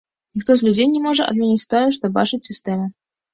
Ніхто з людзей не можа адмяніць тое, што бачыць сістэма.